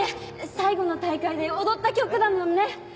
最後の大会で踊った曲だもんね。